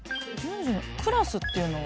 クラスっていうのは？